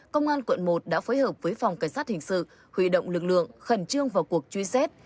công an quận một đã phối hợp với phòng cảnh sát hình sự huy động lực lượng khẩn trương vào cuộc truy xét